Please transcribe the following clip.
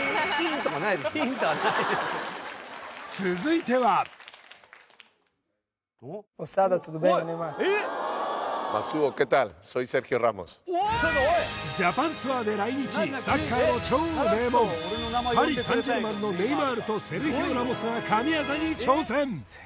続いてはジャパンツアーで来日サッカーの超名門パリ・サン＝ジェルマンのネイマールとセルヒオ・ラモスが神業に挑戦